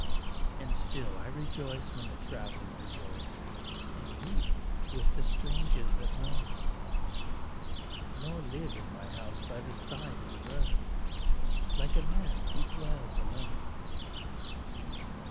And still I rejoice when the travelers rejoice And weep with the strangers that moan, Nor live in my house by the side of the road Like a man who dwells alone.